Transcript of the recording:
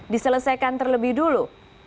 diselesaikan terlebih dulu